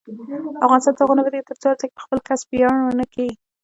افغانستان تر هغو نه ابادیږي، ترڅو هر څوک په خپل کسب ویاړ ونه کړي.